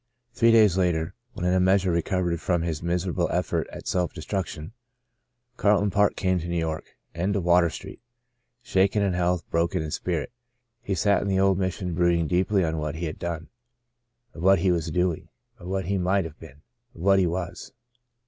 Three days later, when in a measure recovered from his miserable effort at self destruction, Carlton Park came to New York, and to Water Street. Shaken in health, broken in spirit, he sat in the old Mission Saved to Serve 91 brooding deeply on what he had done ; of what he was doing ; of what he might have been ; of what he was.